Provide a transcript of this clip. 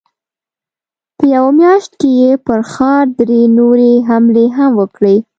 په يوه مياشت کې يې پر ښار درې نورې حملې هم وکړې.